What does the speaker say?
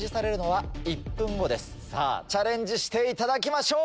さぁチャレンジしていただきましょう！